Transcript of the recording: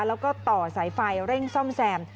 แล้วก็ต่อสายไฟเร่งซ่อมแซม